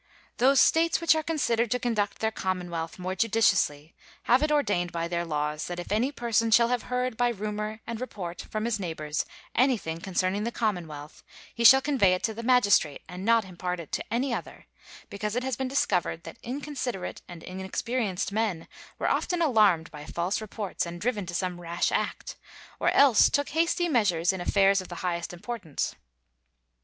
Those States which are considered to conduct their commonwealth more judiciously have it ordained by their laws, that if any person shall have heard by rumor and report from his neighbors anything concerning the commonwealth, he shall convey it to the magistrate and not impart it to any other; because it has been discovered that inconsiderate and inexperienced men were often alarmed by false reports and driven to some rash act, or else took hasty measures in affairs of the highest importance.